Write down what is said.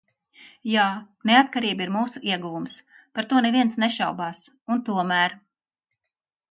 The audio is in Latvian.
Jā – neatkarība ir mūsu ieguvums. Par to neviens nešaubās. Un tomēr...